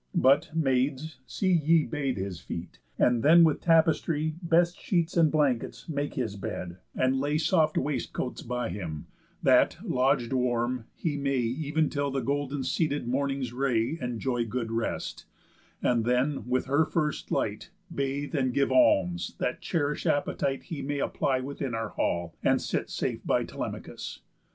But, maids, see Ye bathe his feet, and then with tapestry, Best sheets and blankets, make his bed, and lay Soft waistcoats by him, that, lodg'd warm, he may Ev'n till the golden seated morning's ray Enjoy good rest; and then, with her first light, Bathe, and give alms, that cherish'd appetite He may apply within our hall, and sit Safe by Telemachus.